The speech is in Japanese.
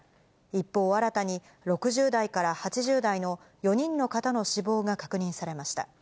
一方、新たに６０代から８０代の４人の方の死亡が確認されました。